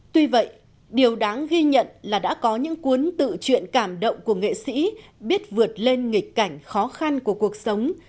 tuy vậy điều đáng ghi nhận là đã có những cuốn tự chuyện cảm động của nghệ sĩ biết vượt lên nghịch cảnh khó khăn của cuộc sống